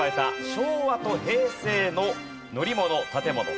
昭和と平成の乗り物・建物・家電